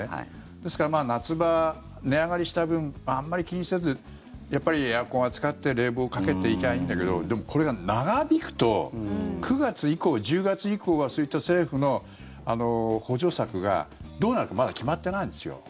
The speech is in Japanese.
ですから夏場、値上がりした分あんまり気にせずやっぱりエアコンは使って冷房かけていけばいいんだけどでも、これが長引くと９月以降、１０月以降はそういった政府の補助策がどうなるかまだ決まってないんですよ。